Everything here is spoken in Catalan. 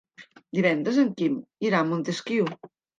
Divendres en Quim irà a Montesquiu.